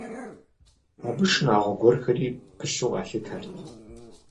Абы шынагъуэ гуэрхэри пылъу къалъытэрт.